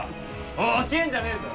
おい教えんじゃねぇぞ！